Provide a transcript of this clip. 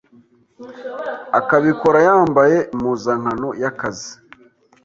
akabikora yambaye impuzankano y’akazi.”